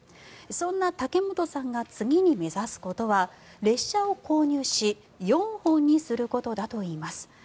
そんな竹本さんが次に目指すことは列車を購入し４本にすることだといいます。